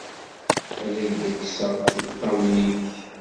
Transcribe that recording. Ad ak-d-kkseɣ tiṭṭawin-nnek!